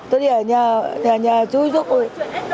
tôi đi ở nhà nhà chú giúp tôi